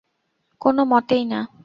কোন মতেই না!